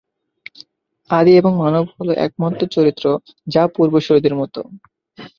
আদি এবং মানব হ'ল একমাত্র চরিত্র যা পূর্বসূরীদের মতো।